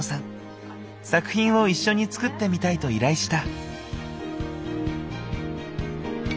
作品を一緒に作ってみたいと依頼した。